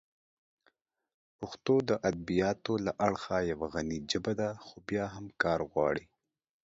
پښتو د ادبیاتو له اړخه یوه غني ژبه ده، خو بیا هم کار غواړي.